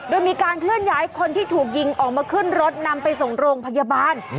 โดยมีการเคลื่อนย้ายคนที่ถูกยิงออกมาขึ้นรถนำไปส่งโรงพยาบาล